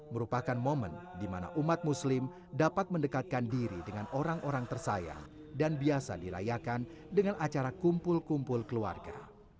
merupakan momen di mana umat muslim dapat mendekatkan diri dengan orang orang tersayang dan biasa dirayakan dengan acara kumpul kumpul keluarga